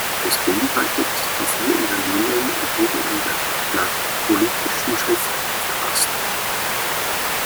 Es beinhaltet die vier Evangelien und wurde in der glagolitischen Schrift verfasst.